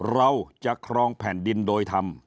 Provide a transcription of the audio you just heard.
เราจะครองแผ่นดินโดยธรรม